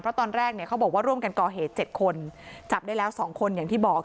เพราะตอนแรกเนี่ยเขาบอกว่าร่วมกันก่อเหตุ๗คนจับได้แล้ว๒คนอย่างที่บอก